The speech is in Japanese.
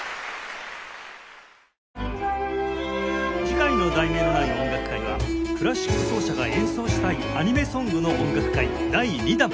次回の『題名のない音楽会』は「クラシック奏者が演奏したいアニメソングの音楽会第２弾」